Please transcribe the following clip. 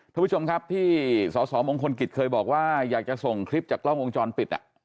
ท่านผู้ชมครับที่สสมงคลกิจเคยบอกว่าอยากจะส่งคลิปจากกล้องวงจรปิด